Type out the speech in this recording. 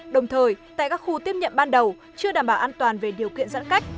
đồng thời tại các khu tiếp nhận ban đầu chưa đảm bảo an toàn về điều kiện giãn cách